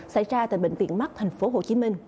xảy ra tại bệnh viện mắc tp hcm